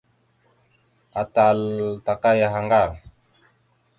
Atal taka yaha ŋgar.